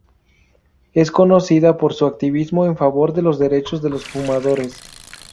Es conocida por su activismo en favor de los derechos de los fumadores.